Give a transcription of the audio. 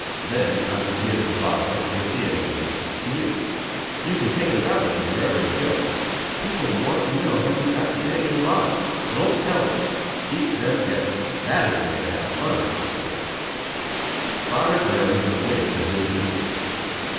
Then I will give the botde with the egg in it to you. You can take it about with you wherever you go. People will want to know how you got the egg in the bottle. Don't tell them. Keep them guessing. That is the way to have fun with this trick," Father grinned and winked at his visitor.